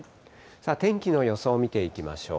天気の予想、見てみましょう。